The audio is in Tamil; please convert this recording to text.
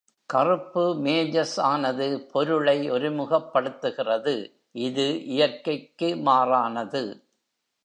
கறுப்பு mages ஆனது பொருளை ஒருமுகப்படுத்துகிறது, இது இயற்கைக்கு மாறானது.